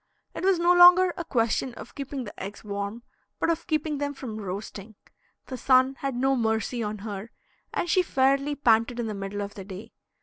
It was no longer a question of keeping the eggs warm, but of keeping them from roasting. The sun had no mercy on her, and she fairly panted in the middle of the day.